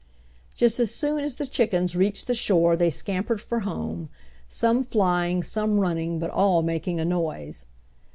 Just as soon as the chickens reached the shore they scampered for home some flying, some running, but all making a noise.